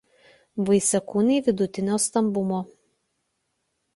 Vaisiakūniai vidutinio stambumo.